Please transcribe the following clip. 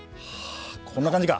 こんな感じか。